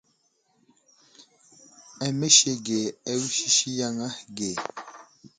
Amesege awusisi yaŋ ahe ge.